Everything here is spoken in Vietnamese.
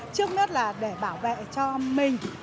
thứ nhất là để bảo vệ cho mình